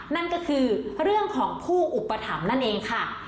นั่นก็คือเรื่องของผู้อุปถัมภ์นั่นเองค่ะ